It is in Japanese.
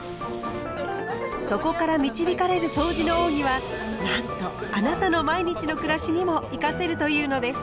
そこから導かれるそうじの奥義はなんとあなたの毎日の暮らしにも生かせるというのです。